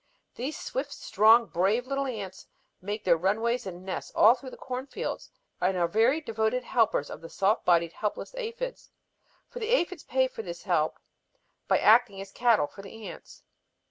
These swift, strong, brave little ants make their runways and nests all through the corn fields, and are very devoted helpers of the soft bodied helpless aphids. For the aphids pay for this help by acting as 'cattle' for the ants.